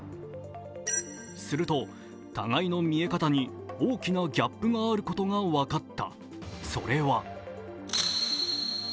すると、互いの見え方に大きなギャップがあることが分かった。